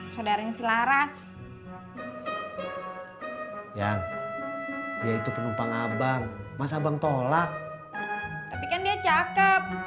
saudaranya laras yang dia itu penumpang abang masa bang tolak tapi kan dia cakep